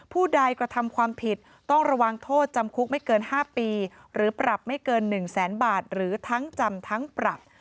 ผู้ใดกระทำความผิดต้องระวังโทษจำคุกไม่เกิน๕ปีหรือปรับไม่เกิน๑แสนบาทหรือทั้งจำทั้งปรับ